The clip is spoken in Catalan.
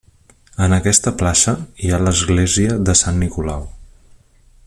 En aquesta plaça hi ha l'església de Sant Nicolau.